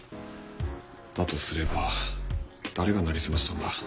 だとすれば誰が成り済ましたんだ？